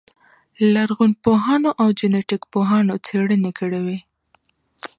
لرغونپوهانو او جنټیک پوهانو څېړنې کړې دي.